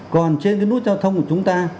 còn trên cái nút giao thông của chúng ta